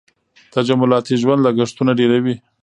تجملاتي ژوند لګښتونه ډېروي.